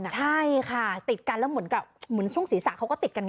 ใช่ค่ะติดกันก็เหมือนส่วงศีรษะเขาก็ติดกัน